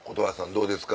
どうですか？